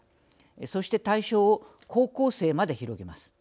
そして、対象を高校生まで広げます。